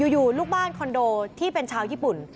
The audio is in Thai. อยู่ลูกบ้านคอนโดที่เป็นชาวญี่ปุ่น